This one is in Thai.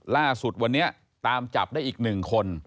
ล่าสุดวันนี้ตามจับได้อีก๑คน